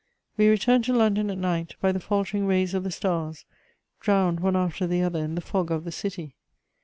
We returned to London, at night, by the faltering rays of the stars, drowned one after the other in the fog of the city.